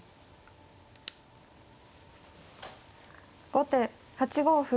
後手８五歩。